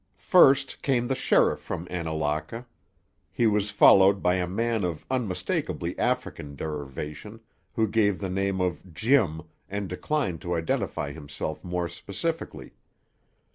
First came the sheriff from Annalaka. He was followed by a man of unmistakably African derivation, who gave the name of Jim and declined to identify himself more specifically.